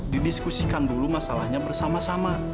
didiskusikan dulu masalahnya bersama sama